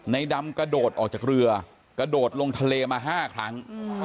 ในดำกระโดดออกจากเรือกระโดดลงทะเลมา๕ครั้ง